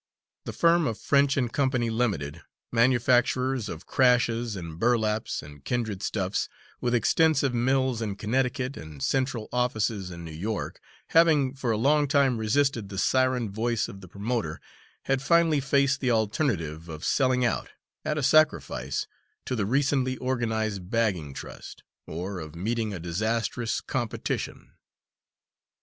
The firm of French and Company, Limited, manufacturers of crashes and burlaps and kindred stuffs, with extensive mills in Connecticut, and central offices in New York, having for a long time resisted the siren voice of the promoter, had finally faced the alternative of selling out, at a sacrifice, to the recently organised bagging trust, or of meeting a disastrous competition.